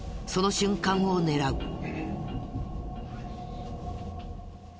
その瞬間を狙う。